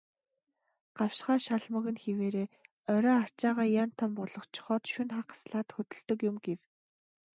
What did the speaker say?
"Гавшгай шалмаг нь хэвээрээ, орой ачаагаа ян тан болгочхоод шөнө хагаслаад хөдөлдөг юм" гэв.